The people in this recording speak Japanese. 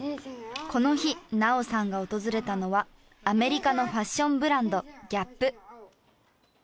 この日菜桜さんが訪れたのはアメリカのファッションブランドＧＡＰ。